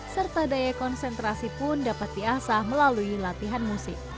serta daya konsentrasi pun dapat diasah melalui latihan musik